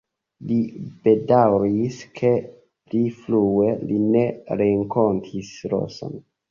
Li bedaŭris, ke pli frue li ne renkontis Roson.